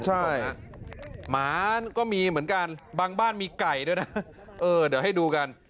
ใช่หมาก็มีเหมือนกันบางบ้านมีไก่ด้วยนะเออเดี๋ยวให้ดูกัน